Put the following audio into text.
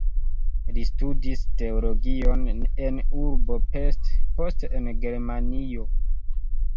Li studis teologion en urbo Pest, poste en Germanio.